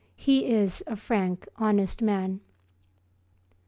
He is a frank, honest man.